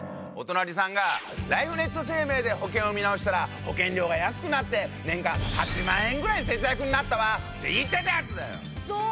お隣さんが「ライフネット生命で保険を見直したら保険料が安くなって年間８万円ぐらい節約になったわ」って言ってたやつだよ！